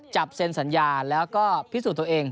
จับเซ็นสัญญาแล้วก็พิสูจน์ตัวเอง